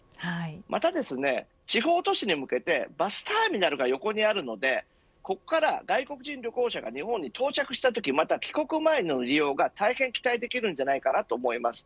また地方都市に向けてバスターミナルが横にあるのでここから、外国人旅行者が日本に到着したときまた帰国前の利用が大変、期待できると思います。